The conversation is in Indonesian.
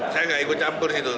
saya gak ikut campur gitu